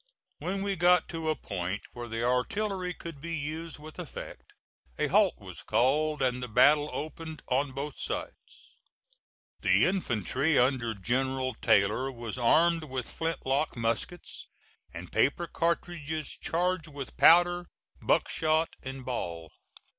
When we got to a point where the artillery could be used with effect, a halt was called, and the battle opened on both sides. The infantry under General Taylor was armed with flint lock muskets, and paper cartridges charged with powder, buck shot and ball.